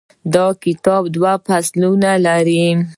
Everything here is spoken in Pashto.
دا کتاب دوه فصلونه لري.